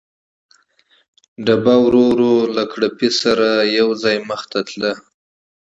ډبه ورو ورو له کړپهار سره یو ځای وړاندې تلل.